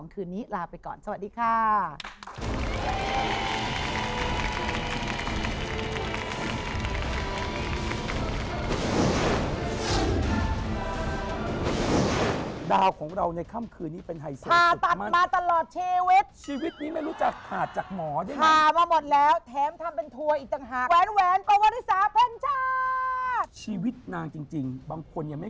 คืนนี้ลาไปก่อนสวัสดีค่ะ